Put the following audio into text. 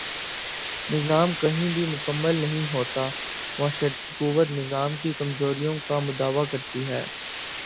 نظام کہیں بھی مکمل نہیں ہوتا معاشرتی قوت نظام کی کمزوریوں کا مداوا کرتی ہے۔